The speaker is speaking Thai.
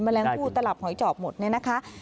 แมลงกูตะหลับหอยจอบหมดนี่นะคะ